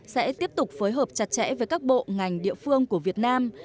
sẽ tiếp tục phối hợp chặt chẽ với các bộ ngành địa phương của việt nam